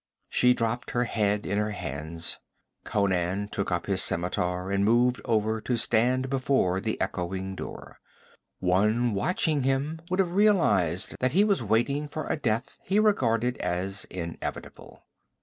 She dropped her head in her hands. Conan took up his scimitar and moved over to stand before the echoing door. One watching him would have realized that he was waiting for a death he regarded as inevitable.